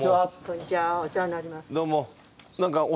お世話になります。